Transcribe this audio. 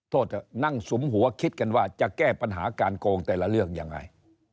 โทษเถอะนั่งสุมหัวคิดกันว่าจะแก้ปัญหาการโกงแต่ละเรื่องยังไง